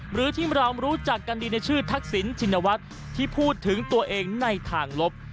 หรือที่เรารู้จักกันดีในชื่อทักษิณชินวัฒน์ที่พูดถึงตัวเองในทางลบ